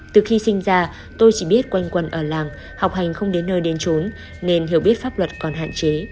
từ khi sinh ra tôi chỉ biết quanh quần ở làng học hành không đến nơi đến trốn nên hiểu biết pháp luật còn hạn chế